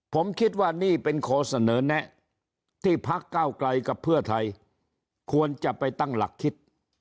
ผมคิดว่านี่เป็นข้อเสนอแนะที่พักเก้าไกลกับเพื่อไทยควรจะไปตั้งหลักคิด